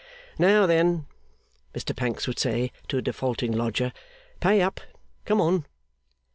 'Now, then!' Mr Pancks would say, to a defaulting lodger. 'Pay up! Come on!